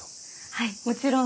はいもちろんです。